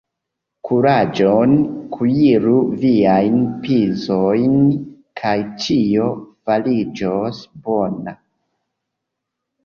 Kuraĝon! Kuiru viajn pizojn kaj ĉio fariĝos bona!